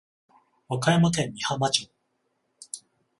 和歌山県美浜町